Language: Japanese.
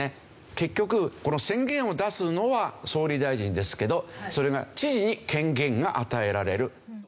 結局この宣言を出すのは総理大臣ですけどそれが知事に権限が与えられる。